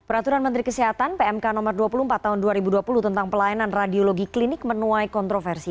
peraturan menteri kesehatan pmk no dua puluh empat tahun dua ribu dua puluh tentang pelayanan radiologi klinik menuai kontroversi